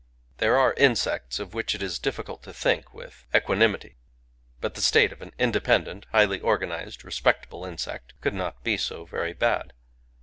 There are insects of which it is diffi cult to think with equanimity ; but the state of an independent, highly organized, respectable insect could not be so very bad.